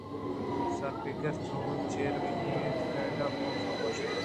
سربگر چداں چے روگی اِنت فریڈاءَ کاف ءَ گوٛشت